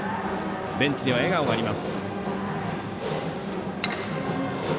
ベンチには笑顔があります。